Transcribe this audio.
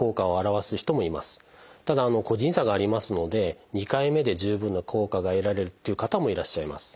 ただ個人差がありますので２回目で十分な効果が得られるっていう方もいらっしゃいます。